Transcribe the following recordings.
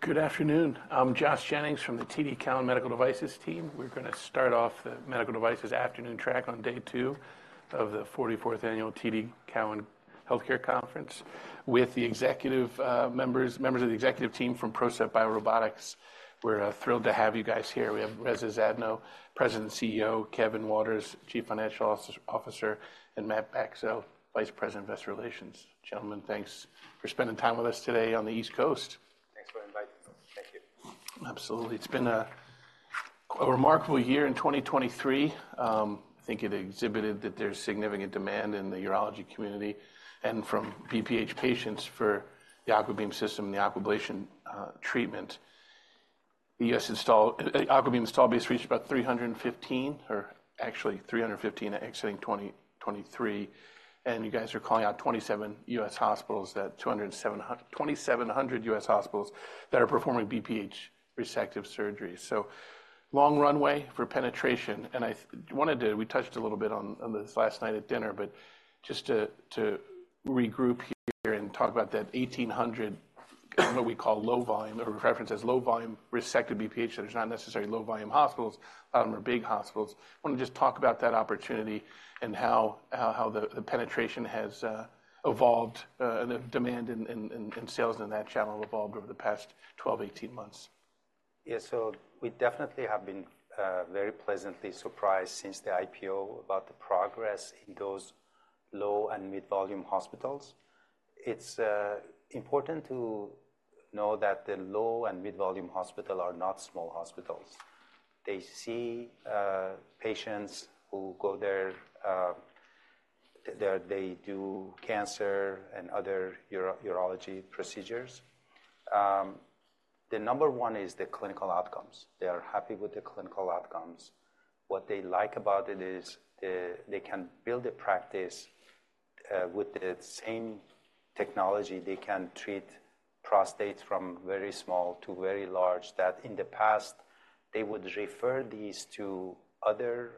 Good afternoon. I'm Josh Jennings from the TD Cowen Medical Devices team. We're going to start off the medical devices afternoon track on day two of the 44th annual TD Cowen Healthcare Conference with the executive members, members of the executive team from PROCEPT BioRobotics. We 're thrilled to have you guys here. We have Reza Zadno, President and CEO; Kevin Waters, Chief Financial Officer; and Matt Bacso, Vice President, Investor Relations. Gentlemen, thanks for spending time with us today on the East Coast. Thanks for inviting me. Thank you. Absolutely. It's been a remarkable year in 2023. I think it exhibited that there's significant demand in the urology community and from BPH patients for the AquaBeam system and the Aquablation treatment. The U.S. AquaBeam install base reached about 315, or actually 315 exiting 2023. And you guys are calling out 27 U.S. hospitals, that 2,700 U.S. hospitals that are performing BPH resective surgeries. So long runway for penetration. And I wanted to, we touched a little bit on this last night at dinner, but just to regroup here and talk about that 1,800, what we call low volume, or reference as low volume resective BPH, so there's not necessarily low volume hospitals, a lot of them are big hospitals. I want to just talk about that opportunity and how the penetration has evolved and the demand and sales in that channel evolved over the past 12, 18 months. Yeah, so we definitely have been very pleasantly surprised since the IPO about the progress in those low- and mid-volume hospitals. It's important to know that the low- and mid-volume hospitals are not small hospitals. They see patients who go there; they do cancer and other urology procedures. The number one is the clinical outcomes. They are happy with the clinical outcomes. What they like about it is they can build a practice with the same technology. They can treat prostates from very small to very large that in the past they would refer these to other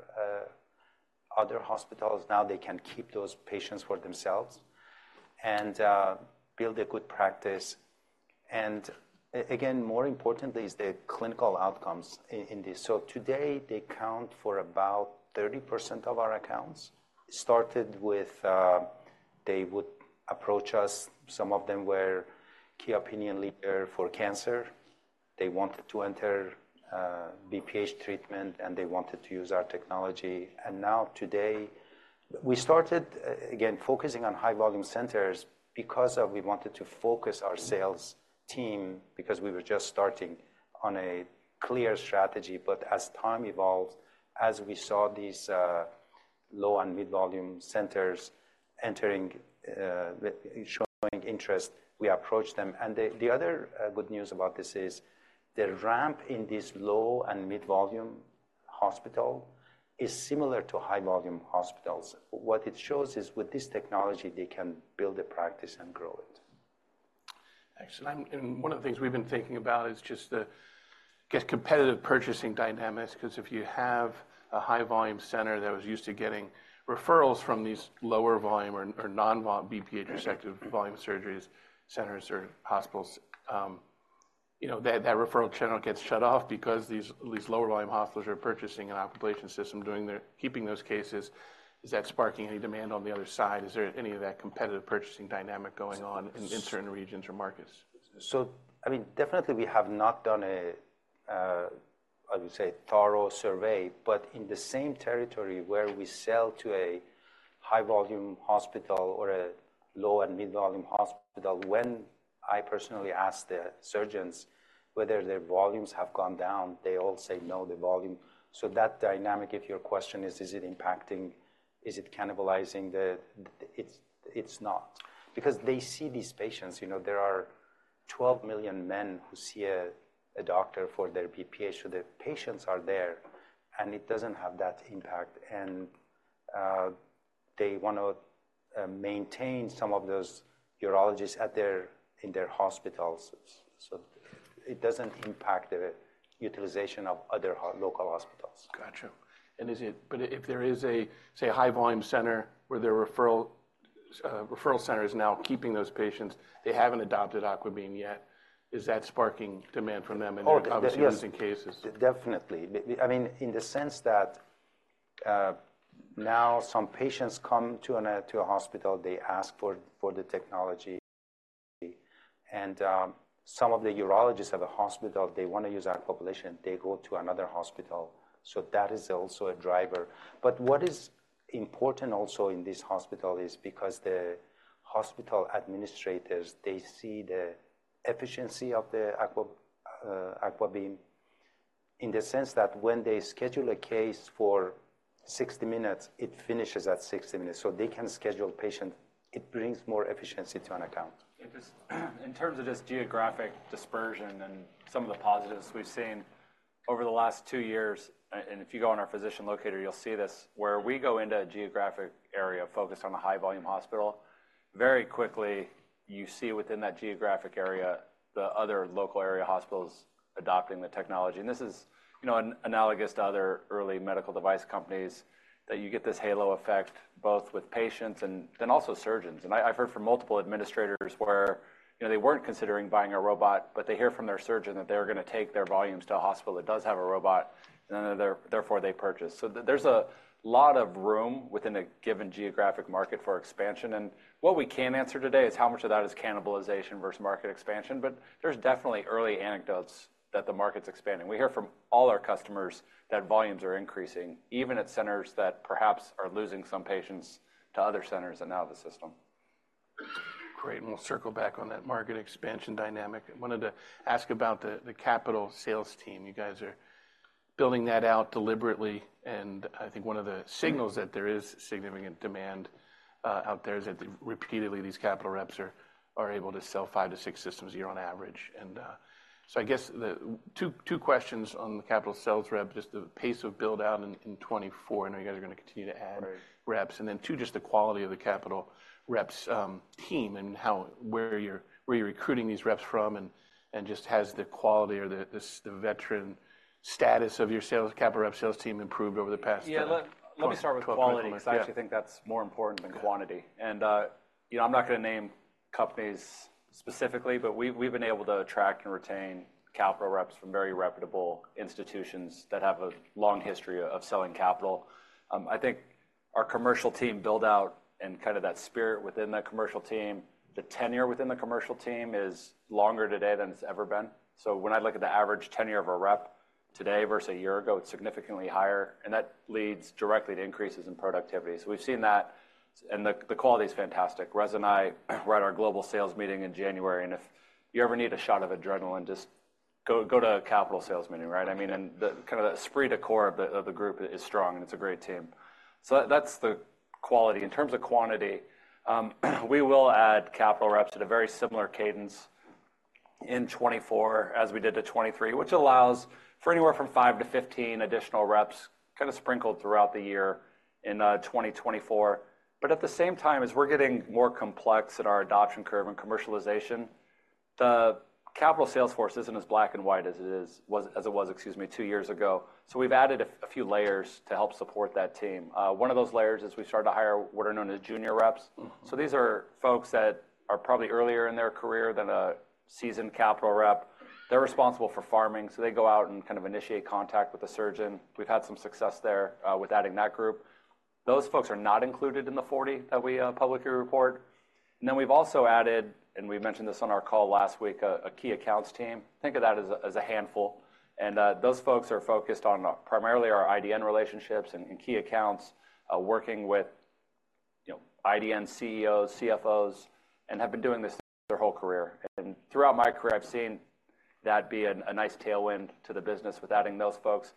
hospitals. Now they can keep those patients for themselves and build a good practice. And again, more importantly is the clinical outcomes in this. So today they count for about 30% of our accounts. Started with they would approach us. Some of them were key opinion leaders for cancer. They wanted to enter BPH treatment and they wanted to use our technology. Now today we started, again, focusing on high volume centers because we wanted to focus our sales team because we were just starting on a clear strategy. As time evolved, as we saw these low and mid volume centers entering, showing interest, we approached them. The other good news about this is the ramp in these low and mid volume hospital is similar to high volume hospitals. What it shows is with this technology they can build a practice and grow it. Excellent. And one of the things we've been thinking about is just the, I guess, competitive purchasing dynamics because if you have a high volume center that was used to getting referrals from these lower volume or non-BPH resective volume surgeries centers or hospitals, that referral channel gets shut off because these lower volume hospitals are purchasing an Aquabeam system, keeping those cases. Is that sparking any demand on the other side? Is there any of that competitive purchasing dynamic going on in certain regions or markets? So, I mean, definitely we have not done a, I would say, thorough survey. But in the same territory where we sell to a high volume hospital or a low and mid volume hospital, when I personally ask the surgeons whether their volumes have gone down, they all say no, the volume. So that dynamic, if your question is, is it impacting, is it cannibalizing the, it's not. Because they see these patients. There are 12 million men who see a doctor for their BPH. So the patients are there and it doesn't have that impact. And they want to maintain some of those urologists in their hospitals. So it doesn't impact the utilization of other local hospitals. Gotcha. And is it—but if there is a, say, high volume center where the referral center is now keeping those patients, they haven't adopted AquaBeam yet, is that sparking demand from them in their obviously recent cases? Oh, definitely. I mean, in the sense that now some patients come to a hospital, they ask for the technology. And some of the urologists have a hospital. They want to use Aquablation. They go to another hospital. So that is also a driver. But what is important also in this hospital is because the hospital administrators, they see the efficiency of the AquaBeam in the sense that when they schedule a case for 60 minutes, it finishes at 60 minutes. So they can schedule patients. It brings more efficiency to an account. Interesting. In terms of just geographic dispersion and some of the positives we've seen over the last two years, and if you go on our physician locator, you'll see this, where we go into a geographic area focused on a high volume hospital, very quickly you see within that geographic area the other local area hospitals adopting the technology. And this is analogous to other early medical device companies that you get this halo effect both with patients and then also surgeons. And I've heard from multiple administrators where they weren't considering buying a robot, but they hear from their surgeon that they're going to take their volume to a hospital that does have a robot, and then therefore they purchase. So there's a lot of room within a given geographic market for expansion. And what we can answer today is how much of that is cannibalization versus market expansion. But there's definitely early anecdotes that the market's expanding. We hear from all our customers that volumes are increasing, even at centers that perhaps are losing some patients to other centers and now the system. Great. And we'll circle back on that market expansion dynamic. I wanted to ask about the capital sales team. You guys are building that out deliberately. And I think one of the signals that there is significant demand out there is that repeatedly these capital reps are able to sell 5-6 systems a year on average. And so I guess two questions on the capital sales rep, just the pace of build out in 2024. I know you guys are going to continue to add reps. And then two, just the quality of the capital reps team and where you're recruiting these reps from and just has the quality or the veteran status of your capital rep sales team improved over the past couple of months? Yeah. Let me start with quality because I actually think that's more important than quantity. I'm not going to name companies specifically, but we've been able to attract and retain capital reps from very reputable institutions that have a long history of selling capital. I think our commercial team build out and kind of that spirit within that commercial team, the tenure within the commercial team is longer today than it's ever been. So when I look at the average tenure of a rep today versus a year ago, it's significantly higher. And that leads directly to increases in productivity. So we've seen that. And the quality is fantastic. Reza and I were at our global sales meeting in January. And if you ever need a shot of adrenaline, just go to a capital sales meeting, right? I mean, kind of the spread of the core of the group is strong and it's a great team. That's the quality. In terms of quantity, we will add capital reps at a very similar cadence in 2024 as we did in 2023, which allows for anywhere from 5-15 additional reps kind of sprinkled throughout the year in 2024. But at the same time, as we're getting more complex in our adoption curve and commercialization, the capital sales force isn't as black and white as it was, excuse me, two years ago. We've added a few layers to help support that team. One of those layers is we started to hire what are known as junior reps. These are folks that are probably earlier in their career than a seasoned capital rep. They're responsible for farming. So they go out and kind of initiate contact with the surgeon. We've had some success there with adding that group. Those folks are not included in the 40 that we publicly report. And then we've also added, and we mentioned this on our call last week, a key accounts team. Think of that as a handful. And those folks are focused on primarily our IDN relationships and key accounts, working with IDN CEOs, CFOs, and have been doing this their whole career. And throughout my career, I've seen that be a nice tailwind to the business with adding those folks.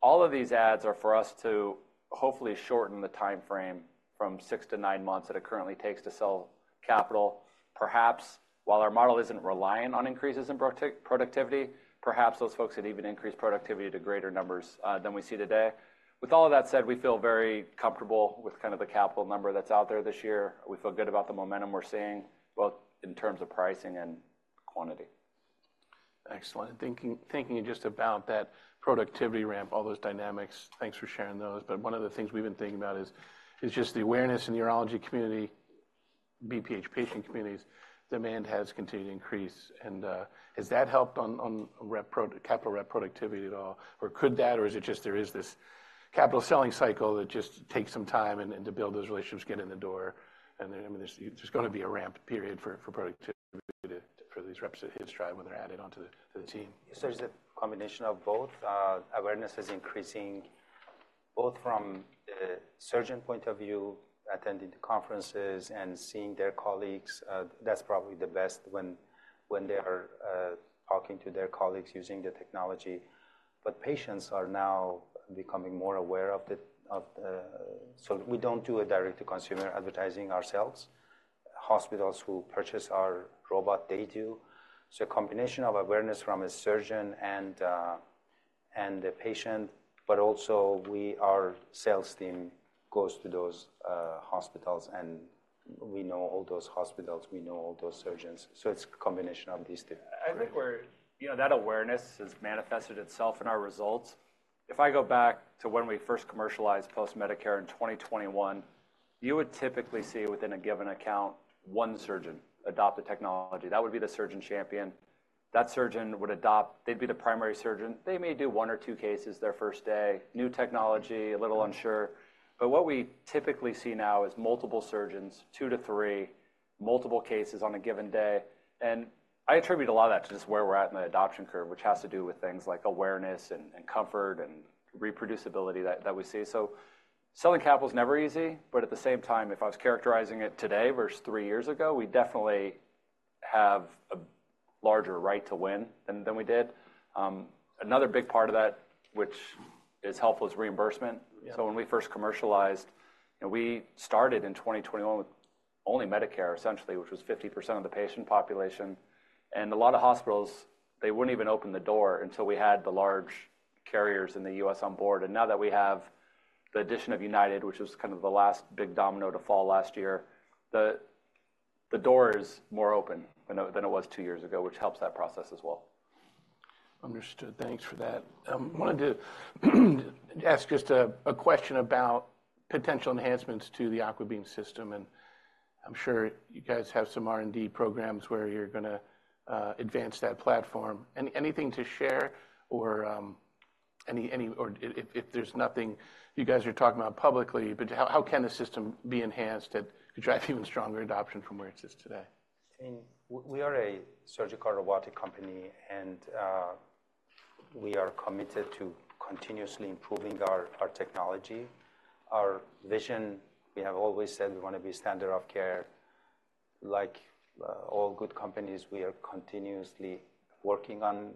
All of these adds are for us to hopefully shorten the timeframe from 6-9 months that it currently takes to sell capital. Perhaps while our model isn't reliant on increases in productivity, perhaps those folks had even increased productivity to greater numbers than we see today. With all of that said, we feel very comfortable with kind of the capital number that's out there this year. We feel good about the momentum we're seeing, both in terms of pricing and quantity. Excellent. Thinking just about that productivity ramp, all those dynamics, thanks for sharing those. But one of the things we've been thinking about is just the awareness in the urology community, BPH patient communities, demand has continued to increase. Has that helped on capital rep productivity at all, or could that, or is it just there is this capital selling cycle that just takes some time to build those relationships, get in the door? I mean, there's going to be a ramp period for productivity for these reps at IN stride when they're added onto the team. So it's a combination of both. Awareness is increasing both from the surgeon point of view, attending the conferences and seeing their colleagues. That's probably the best when they are talking to their colleagues using the technology. But patients are now becoming more aware of the so we don't do a direct-to-consumer advertising ourselves. Hospitals who purchase our robot, they do. So a combination of awareness from a surgeon and the patient, but also our sales team goes to those hospitals and we know all those hospitals. We know all those surgeons. So it's a combination of these two. I think that awareness has manifested itself in our results. If I go back to when we first commercialized post-Medicare in 2021, you would typically see within a given account one surgeon adopt the technology. That would be the surgeon champion. That surgeon would adopt. They'd be the primary surgeon. They may do one or two cases their first day, new technology, a little unsure. But what we typically see now is multiple surgeons, two to three, multiple cases on a given day. And I attribute a lot of that to just where we're at in the adoption curve, which has to do with things like awareness and comfort and reproducibility that we see. So selling capital is never easy. But at the same time, if I was characterizing it today versus three years ago, we definitely have a larger right to win than we did. Another big part of that, which is helpful, is reimbursement. When we first commercialized, we started in 2021 with only Medicare, essentially, which was 50% of the patient population. A lot of hospitals, they wouldn't even open the door until we had the large carriers in the U.S. on board. Now that we have the addition of United, which was kind of the last big domino to fall last year, the door is more open than it was two years ago, which helps that process as well. Understood. Thanks for that. I wanted to ask just a question about potential enhancements to the AquaBeam system. I'm sure you guys have some R&D programs where you're going to advance that platform. Anything to share or if there's nothing you guys are talking about publicly, but how can the system be enhanced that could drive even stronger adoption from where it sits today? I mean, we are a surgical robotic company and we are committed to continuously improving our technology. Our vision, we have always said we want to be standard of care. Like all good companies, we are continuously working on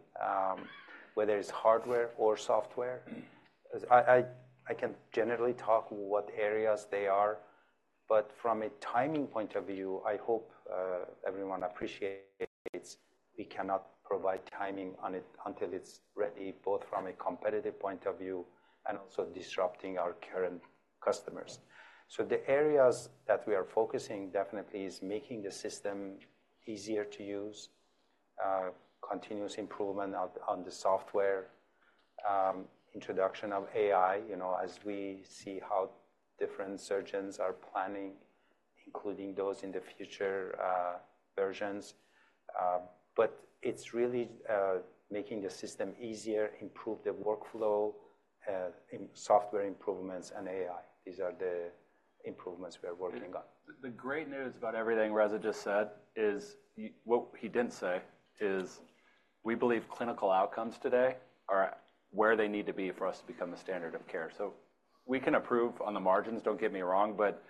whether it's hardware or software. I can generally talk what areas they are. But from a timing point of view, I hope everyone appreciates we cannot provide timing on it until it's ready, both from a competitive point of view and also disrupting our current customers. So the areas that we are focusing definitely is making the system easier to use, continuous improvement on the software, introduction of AI as we see how different surgeons are planning, including those in the future versions. But it's really making the system easier, improve the workflow, software improvements, and AI. These are the improvements we are working on. The great news about everything Reza just said is what he didn't say is we believe clinical outcomes today are where they need to be for us to become a standard of care. So we can improve on the margins, don't get me wrong, but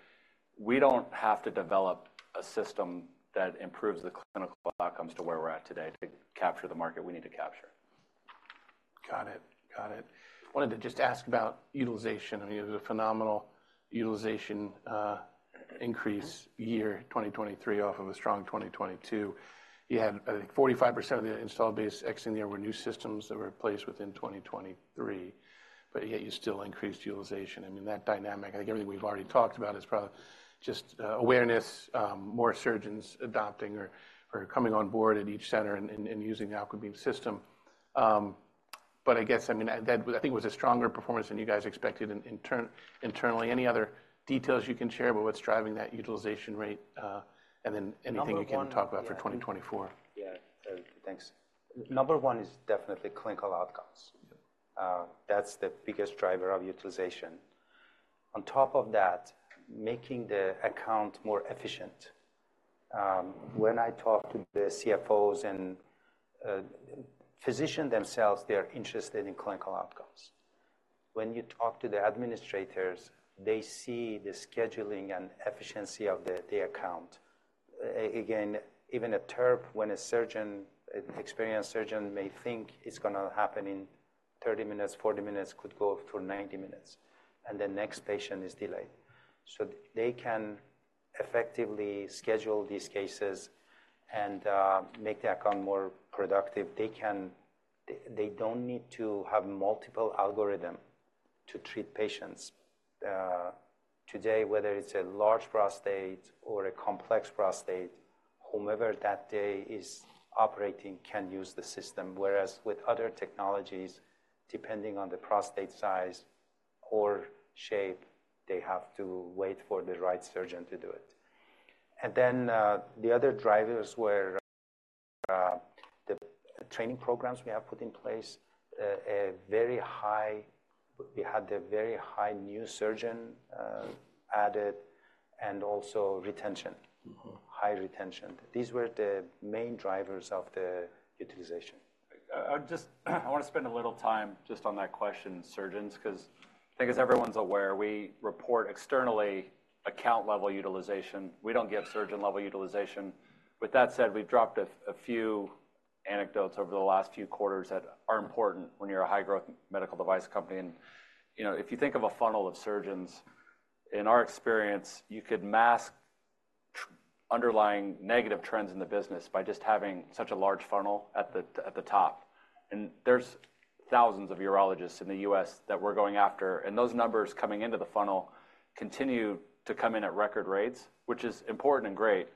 we don't have to develop a system that improves the clinical outcomes to where we're at today to capture the market we need to capture. Got it. Got it. I wanted to just ask about utilization. I mean, it was a phenomenal utilization increase year 2023 off of a strong 2022. You had, I think, 45% of the installed base exiting the year were new systems that were replaced within 2023. But yet you still increased utilization. I mean, that dynamic, I think everything we've already talked about is probably just awareness, more surgeons adopting or coming on board at each center and using the AquaBeam system. But I guess, I mean, that I think was a stronger performance than you guys expected internally. Any other details you can share about what's driving that utilization rate and then anything you can talk about for 2024? Yeah. Thanks. Number one is definitely clinical outcomes. That's the biggest driver of utilization. On top of that, making the account more efficient. When I talk to the CFOs and physicians themselves, they're interested in clinical outcomes. When you talk to the administrators, they see the scheduling and efficiency of the account. Again, even a TURP, when an experienced surgeon may think it's going to happen in 30 minutes, 40 minutes, could go through 90 minutes, and the next patient is delayed. So they can effectively schedule these cases and make the account more productive. They don't need to have multiple algorithms to treat patients. Today, whether it's a large prostate or a complex prostate, whomever that day is operating can use the system. Whereas with other technologies, depending on the prostate size or shape, they have to wait for the right surgeon to do it. And then the other drivers were the training programs we have put in place, we had the very high new surgeon added and also retention, high retention. These were the main drivers of the utilization. I want to spend a little time just on that question, surgeons, because I think as everyone's aware, we report externally account-level utilization. We don't get surgeon-level utilization. With that said, we've dropped a few anecdotes over the last few quarters that are important when you're a high-growth medical device company. If you think of a funnel of surgeons, in our experience, you could mask underlying negative trends in the business by just having such a large funnel at the top. There's thousands of urologists in the U.S. that we're going after. Those numbers coming into the funnel continue to come in at record rates, which is important and great.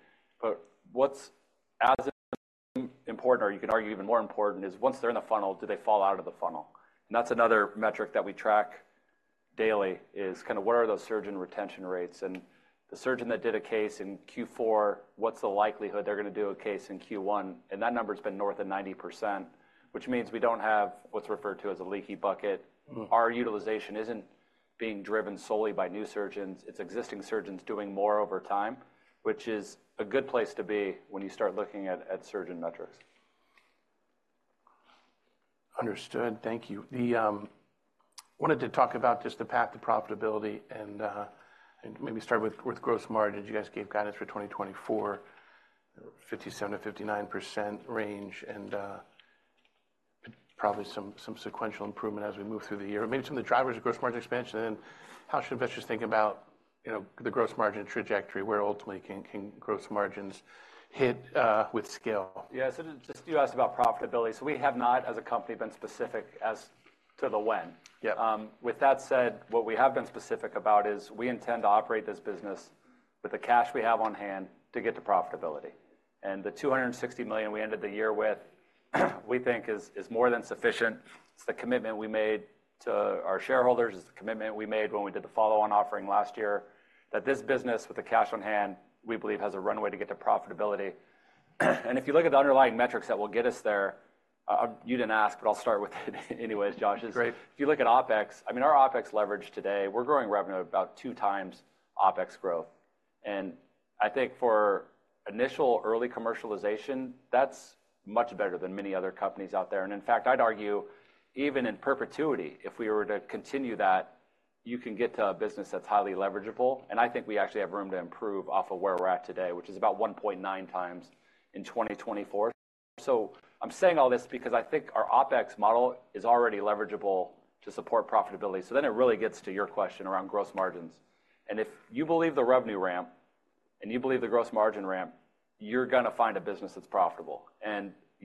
But what's as important or you can argue even more important is once they're in the funnel, do they fall out of the funnel? That's another metric that we track daily is kind of what are those surgeon retention rates? The surgeon that did a case in Q4, what's the likelihood they're going to do a case in Q1? That number has been north of 90%, which means we don't have what's referred to as a leaky bucket. Our utilization isn't being driven solely by new surgeons. It's existing surgeons doing more over time, which is a good place to be when you start looking at surgeon metrics. Understood. Thank you. I wanted to talk about just the path to profitability and maybe start with gross margin. You guys gave guidance for 2024, 57%-59% range and probably some sequential improvement as we move through the year. Maybe some of the drivers of gross margin expansion and then how should investors think about the gross margin trajectory, where ultimately can gross margins hit with scale? Yeah. So just as you asked about profitability. So we have not as a company been specific as to the when. With that said, what we have been specific about is we intend to operate this business with the cash we have on hand to get to profitability. And the $260 million we ended the year with, we think, is more than sufficient. It's the commitment we made to our shareholders. It's the commitment we made when we did the follow-on offering last year that this business with the cash on hand, we believe, has a runway to get to profitability. And if you look at the underlying metrics that will get us there, you didn't ask, but I'll start with it anyways, Josh. If you look at OPEX, I mean, our OPEX leverage today, we're growing revenue about 2x OPEX growth. I think for initial early commercialization, that's much better than many other companies out there. In fact, I'd argue even in perpetuity, if we were to continue that, you can get to a business that's highly leverageable. I think we actually have room to improve off of where we're at today, which is about 1.9 times in 2024. So I'm saying all this because I think our OpEx model is already leverageable to support profitability. So then it really gets to your question around gross margins. If you believe the revenue ramp and you believe the gross margin ramp, you're going to find a business that's profitable.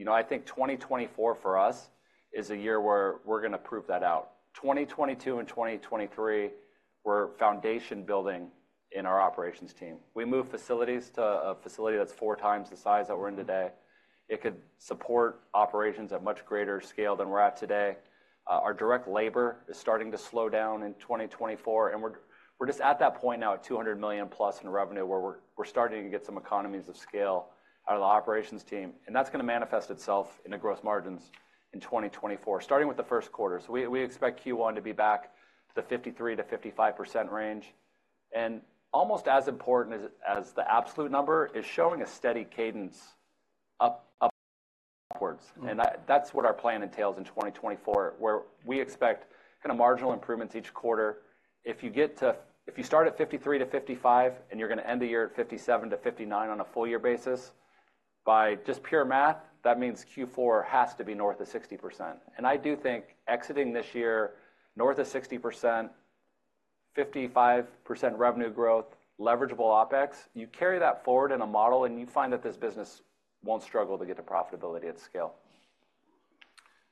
I think 2024 for us is a year where we're going to prove that out. 2022 and 2023 were foundation-building in our operations team. We moved facilities to a facility that's 4 times the size that we're in today. It could support operations at much greater scale than we're at today. Our direct labor is starting to slow down in 2024. We're just at that point now at $200 million+ in revenue where we're starting to get some economies of scale out of the operations team. That's going to manifest itself in the gross margins in 2024, starting with the first quarter. We expect Q1 to be back to the 53%-55% range. Almost as important as the absolute number is showing a steady cadence upwards. That's what our plan entails in 2024, where we expect kind of marginal improvements each quarter. If you start at 53-55 and you're going to end the year at 57-59 on a full-year basis, by just pure math, that means Q4 has to be north of 60%. And I do think exiting this year north of 60%, 55% revenue growth, leverageable OPEX, you carry that forward in a model and you find that this business won't struggle to get to profitability at scale.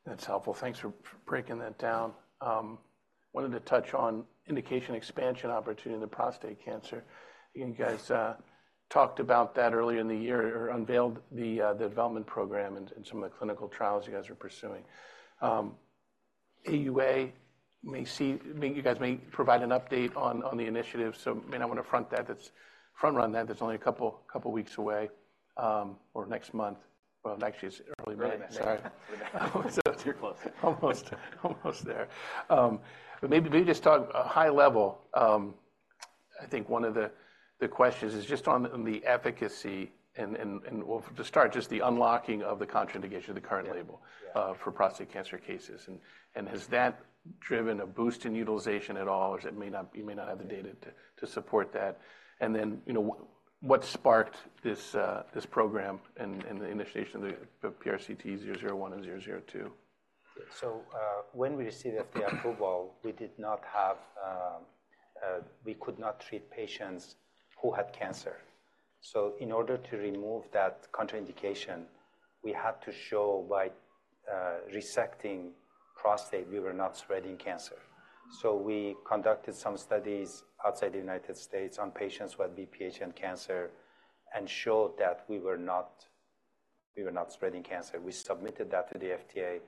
That's helpful. Thanks for breaking that down. I wanted to touch on indication expansion opportunity in the prostate cancer. You guys talked about that earlier in the year or unveiled the development program and some of the clinical trials you guys are pursuing. AUA may see you guys may provide an update on the initiative. So may not want to front-run that. That's only a couple of weeks away or next month. Well, actually, it's early May. Sorry. Almost. Almost there. But maybe just talk high level. I think one of the questions is just on the efficacy and to start, just the unlocking of the contraindication of the current label for prostate cancer cases. And has that driven a boost in utilization at all, or you may not have the data to support that? And then what sparked this program and the initiation of the PRCT001 and PRCT002? So when we received FDA approval, we could not treat patients who had cancer. So in order to remove that contraindication, we had to show by resecting prostate, we were not spreading cancer. So we conducted some studies outside the United States on patients who had BPH and cancer and showed that we were not spreading cancer. We submitted that to the FDA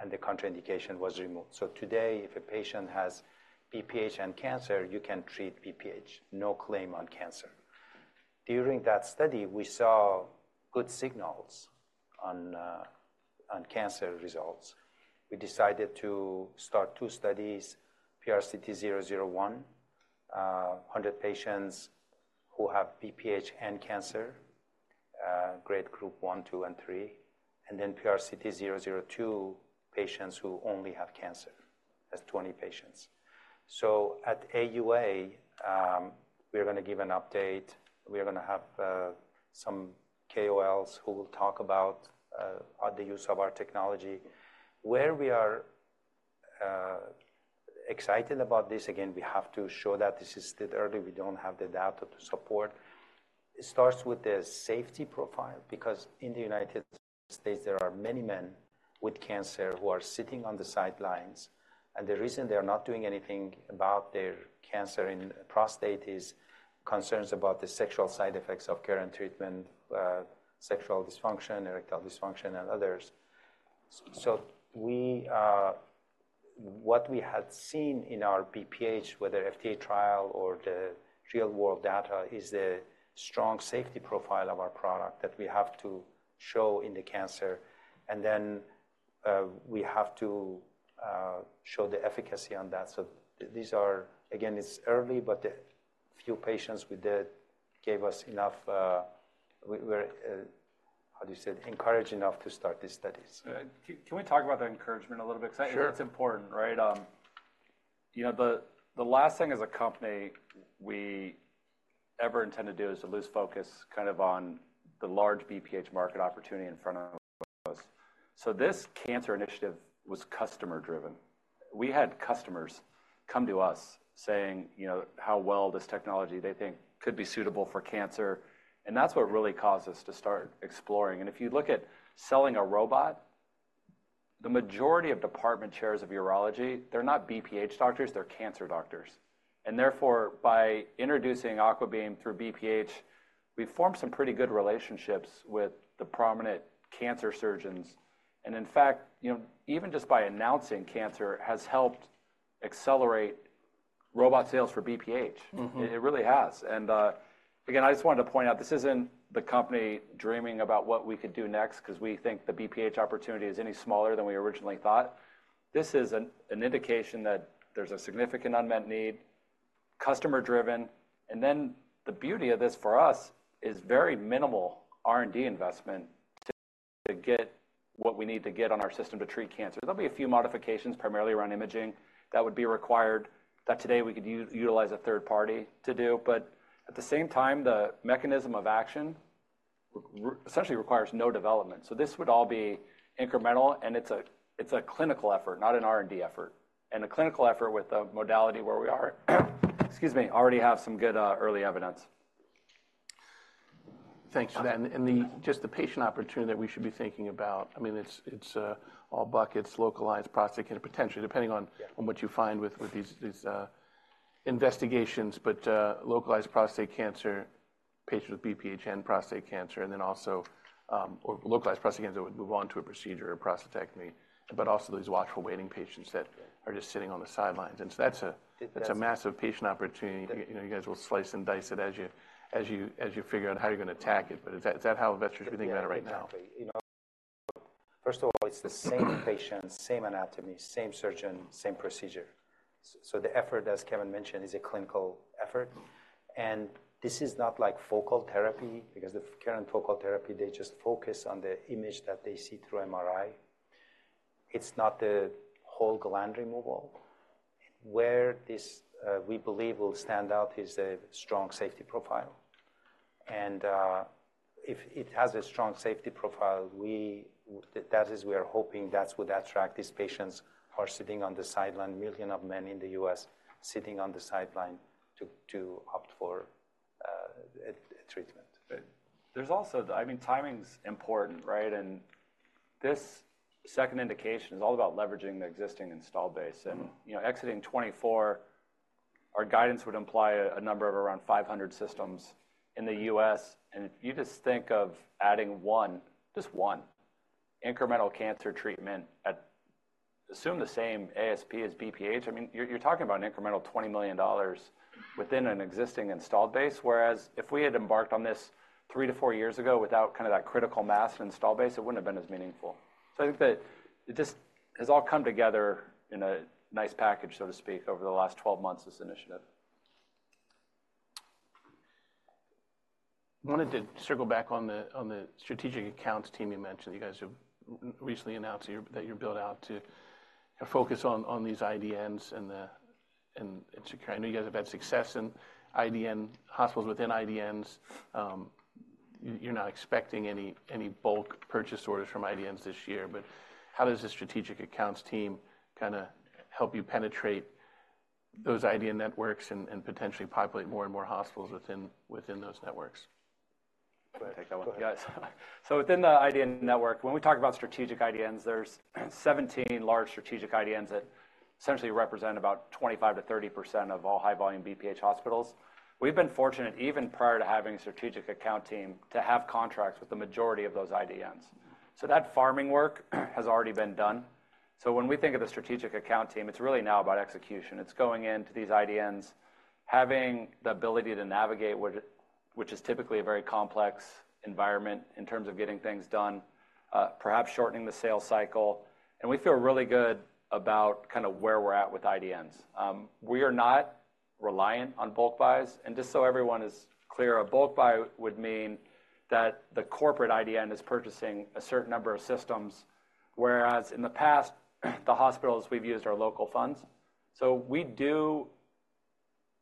and the contraindication was removed. So today, if a patient has BPH and cancer, you can treat BPH. No claim on cancer. During that study, we saw good signals on cancer results. We decided to start two studies, PRCT001, 100 patients who have BPH and cancer, Grade Group one, two, and three, and then PRCT002, patients who only have cancer. That's 20 patients. So at AUA, we're going to give an update. We're going to have some KOLs who will talk about the use of our technology. We're excited about this, again, we have to show that this is still early. We don't have the data to support. It starts with the safety profile because in the United States, there are many men with cancer who are sitting on the sidelines. And the reason they are not doing anything about their cancer in prostate is concerns about the sexual side effects of current treatment, sexual dysfunction, erectile dysfunction, and others. So what we had seen in our BPH, whether FDA trial or the real-world data, is the strong safety profile of our product that we have to show in the cancer. And then we have to show the efficacy on that. So again, it's early, but the few patients we did gave us enough, how do you say it, encourage enough to start these studies. Can we talk about the encouragement a little bit? Because I think it's important, right? The last thing as a company we ever intend to do is to lose focus kind of on the large BPH market opportunity in front of us. So this cancer initiative was customer-driven. We had customers come to us saying how well this technology, they think, could be suitable for cancer. And that's what really caused us to start exploring. And if you look at selling a robot, the majority of department chairs of urology, they're not BPH doctors. They're cancer doctors. And therefore, by introducing Aquabeam through BPH, we formed some pretty good relationships with the prominent cancer surgeons. And in fact, even just by announcing cancer has helped accelerate robot sales for BPH. It really has. And again, I just wanted to point out, this isn't the company dreaming about what we could do next because we think the BPH opportunity is any smaller than we originally thought. This is an indication that there's a significant unmet need, customer-driven. And then the beauty of this for us is very minimal R&D investment to get what we need to get on our system to treat cancer. There'll be a few modifications, primarily around imaging, that would be required that today we could utilize a third party to do. But at the same time, the mechanism of action essentially requires no development. So this would all be incremental, and it's a clinical effort, not an R&D effort, and a clinical effort with a modality where we already have some good early evidence. Thanks for that. Just the patient opportunity that we should be thinking about, I mean, it's all buckets, localized prostate cancer, potentially, depending on what you find with these investigations, but localized prostate cancer, patients with BPH and prostate cancer, and then also localized prostate cancer that would move on to a procedure or prostatectomy, but also these watchful waiting patients that are just sitting on the sidelines. That's a massive patient opportunity. You guys will slice and dice it as you figure out how you're going to attack it. Is that how investors are thinking about it right now? Exactly. First of all, it's the same patient, same anatomy, same surgeon, same procedure. So the effort, as Kevin mentioned, is a clinical effort. And this is not like focal therapy because the current focal therapy, they just focus on the image that they see through MRI. It's not the whole gland removal. Where we believe will stand out is the strong safety profile. And if it has a strong safety profile, that is, we are hoping that's what attracts these patients who are sitting on the sideline, million of men in the U.S. sitting on the sideline to opt for treatment. I mean, timing's important, right? This second indication is all about leveraging the existing installed base. Exiting 2024, our guidance would imply a number of around 500 systems in the U.S. If you just think of adding one, just one, incremental cancer treatment at assume the same ASP as BPH. I mean, you're talking about an incremental $20 million within an existing installed base. Whereas if we had embarked on this 3-4 years ago without kind of that critical mass and installed base, it wouldn't have been as meaningful. So I think that it just has all come together in a nice package, so to speak, over the last 12 months, this initiative. I wanted to circle back on the strategic accounts team you mentioned. You guys have recently announced that you're built out to focus on these IDNs and secure. I know you guys have had success in IDN hospitals within IDNs. You're not expecting any bulk purchase orders from IDNs this year. But how does the strategic accounts team kind of help you penetrate those IDN networks and potentially populate more and more hospitals within those networks? Take that one. So within the IDN network, when we talk about strategic IDNs, there's 17 large strategic IDNs that essentially represent about 25%-30% of all high-volume BPH hospitals. We've been fortunate, even prior to having a strategic account team, to have contracts with the majority of those IDNs. So that farming work has already been done. So when we think of the strategic account team, it's really now about execution. It's going into these IDNs, having the ability to navigate, which is typically a very complex environment in terms of getting things done, perhaps shortening the sales cycle. And we feel really good about kind of where we're at with IDNs. We are not reliant on bulk buys. Just so everyone is clear, a bulk buy would mean that the corporate IDN is purchasing a certain number of systems, whereas in the past, the hospitals we've used our local funds. So we do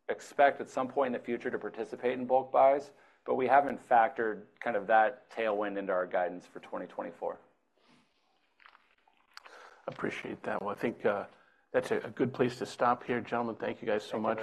expect at some point in the future to participate in bulk buys, but we haven't factored kind of that tailwind into our guidance for 2024. Appreciate that. Well, I think that's a good place to stop here. Gentlemen, thank you guys so much.